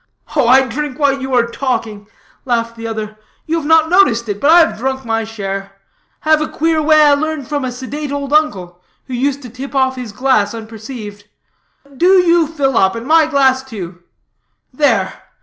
"Oh, I drink while you are talking," laughed the other; "you have not noticed it, but I have drunk my share. Have a queer way I learned from a sedate old uncle, who used to tip off his glass unperceived. Do you fill up, and my glass, too. There!